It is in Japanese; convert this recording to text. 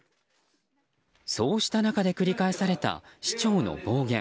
そうした中で繰り返された市長の暴言。